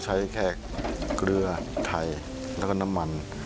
ก็ใช้แค่เกลือไทยและน้ำมัน